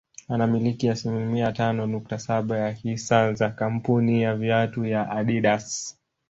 Anamiliki asilimia tano nukta saba ya hisa za kamapuni ya viatu ya Adidas